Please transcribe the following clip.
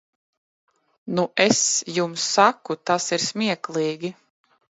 Nu es jums saku, tas ir smieklīgi.